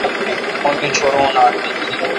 مہ تو چورو نہ۔